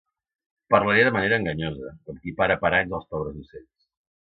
Parlaré de manera enganyosa, com qui para paranys als pobres ocells.